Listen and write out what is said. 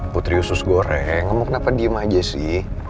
putri usus goreng ngomong kenapa diem aja sih